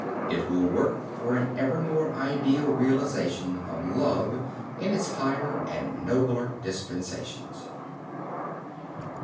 It will work for an ever more ideal realization of love in its higher and nobler dispensations.